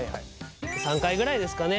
３回ぐらいですかね。